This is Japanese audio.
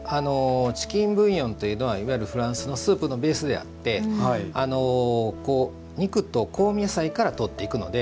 チキンブイヨンというのはいわゆるフランスのスープのベースであって肉と香味野菜からとっていくので。